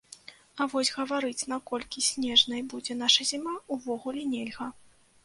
А вось гаварыць, наколькі снежнай будзе наша зіма, увогуле нельга.